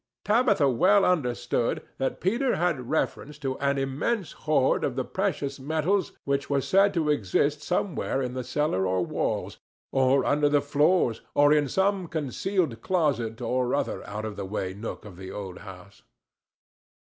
Tabitha well understood that Peter had reference to an immense hoard of the precious metals which was said to exist somewhere in the cellar or walls, or under the floors, or in some concealed closet or other out of the way nook of the old house.